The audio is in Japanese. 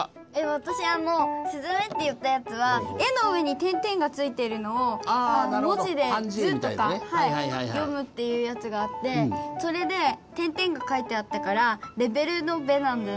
わたしスズメって言ったやつは絵の上に「゛」がついているのを文字で「ズ」とか読むっていうやつがあってそれで「゛」が書いてあったからレベルの「ベ」なんじゃないかなって。